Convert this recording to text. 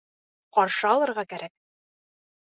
Ҡаршы алырға кәрәк!